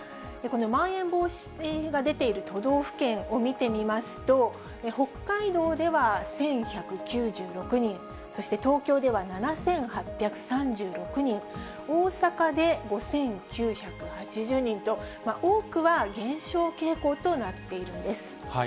このまん延防止が出ている都道府県を見てみますと、北海道では１１９６人、そして東京では７８３６人、大阪で５９８０人と、多くは減少傾向となっているんです。